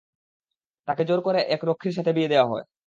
তাকে জোর করে এক রক্ষীর সাথে বিয়ে দেয়া হয়।